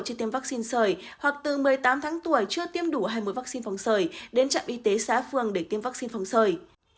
chưa tiêm vaccine sởi hoặc từ một mươi tám tháng tuổi chưa tiêm đủ hai mươi vaccine phòng sởi đến trạm y tế xã phương để tiêm vaccine phòng sởi